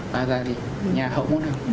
và ra thì nhà hậu môn học